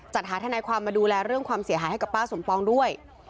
จัดหาทนายความมาดูแลเรื่องความเสียหายให้กับป้าสมปองด้วย